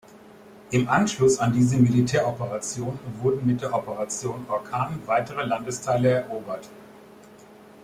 Im Anschluss an diese Militäroperation wurden mit der Operation Orkan weitere Landesteile erobert.